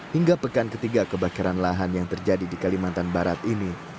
hingga pekan ketiga kebakaran lahan yang terjadi di kalimantan barat ini